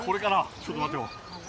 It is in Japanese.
ちょっと待てよ。